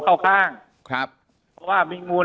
แต่คุณยายจะขอย้ายโรงเรียน